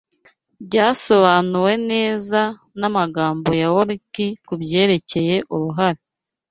byasobanuwe neza namagambo ya Woriki kubyerekeye uruhare